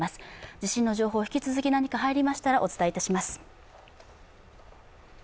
地震の情報、引き続き何か入りましたらお伝えします。